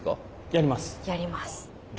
やります。